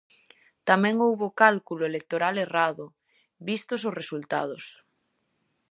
Tamén houbo cálculo electoral errado, vistos os resultados.